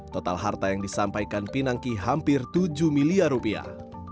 total harta yang disampaikan pinangki hampir tujuh miliar rupiah